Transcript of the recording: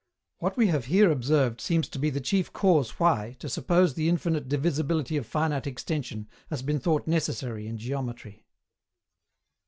What we have here observed seems to be the chief cause why, to suppose the infinite divisibility of finite extension has been thought necessary in geometry.